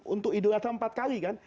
untuk idulasa empat kali kan